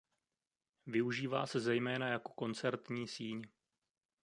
Využívá se zejména jako koncertní síň.